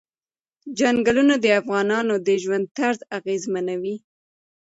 چنګلونه د افغانانو د ژوند طرز اغېزمنوي.